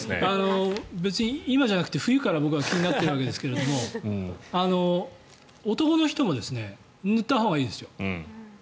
別に今じゃなくて冬から僕は気になっているわけですが男の人も塗ったほうがいいですよ。